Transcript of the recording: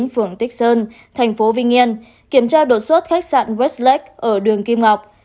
phường tích sơn tp vĩnh yên kiểm tra đột xuất khách sạn westlake ở đường kim ngọc